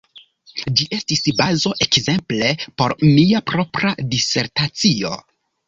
Ĝi estis bazo ekzemple por mia propra disertacio.